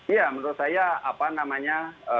iya menurut saya apa namanya